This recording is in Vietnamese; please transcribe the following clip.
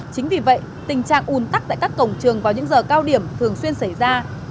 chính vì vậy tình trạng un tắc tại các cổng trường vào những giờ cao điểm thường xuyên xảy ra